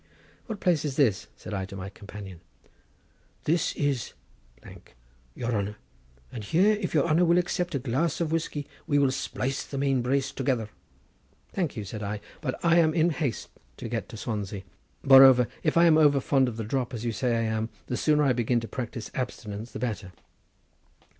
"What place is this?" said I to my companion. "This is —, your honour; and here, if your honour will accept a glass of whiskey we will splice the mainbrace together." "Thank you," said I; "but I am in haste to get to Swansea. Moreover, if I am over fond of the drop, as you say I am, the sooner I begin to practise abstinence the better."